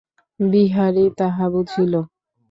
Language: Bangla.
বিহারী তাহা বুঝিল।